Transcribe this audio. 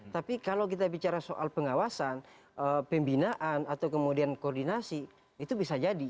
tapi kalau kita bicara soal pengawasan pembinaan atau kemudian koordinasi itu bisa jadi